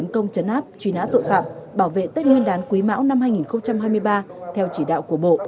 công chấn áp truy nã tội phạm bảo vệ tết nguyên đán quý mão năm hai nghìn hai mươi ba theo chỉ đạo của bộ